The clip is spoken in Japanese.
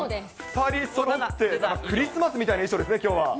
２人そろってクリスマスみたいな衣装ですね、きょうは。